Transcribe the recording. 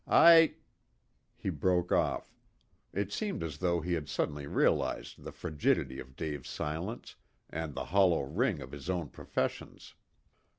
I " He broke off. It seemed as though he had suddenly realized the frigidity of Dave's silence and the hollow ring of his own professions.